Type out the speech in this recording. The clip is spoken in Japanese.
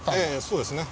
そうですね。